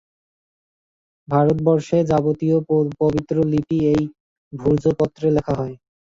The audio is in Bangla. ভারতবর্ষে যাবতীয় পবিত্র লিপি এই ভূর্জপত্রে লেখা হয়।